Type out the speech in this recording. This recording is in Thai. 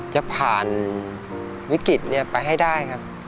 จะผ่านวิกฤตไปให้ได้ครับ